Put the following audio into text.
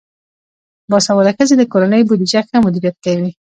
باسواده ښځې د کورنۍ بودیجه ښه مدیریت کوي.